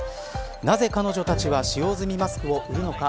なぜ彼女たちは使用済みマスクを売るのか。